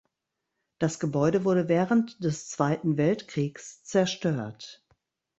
Das Gebäude wurde während des Zweiten Weltkriegs zerstört.